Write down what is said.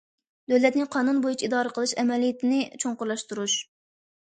دۆلەتنى قانۇن بويىچە ئىدارە قىلىش ئەمەلىيىتىنى چوڭقۇرلاشتۇرۇش.